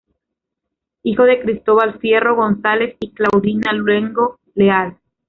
Hijo de Cristóbal Fierro González y Claudina Luengo Leal.